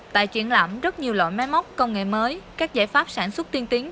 tại triển lãm rất nhiều loại máy móc công nghệ mới các giải pháp sản xuất tiên tiến